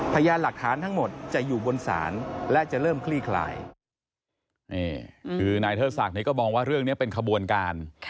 พยานหลักฐานทั้งหมดจะอยู่บนศาลและจะเริ่มคลี่คลาย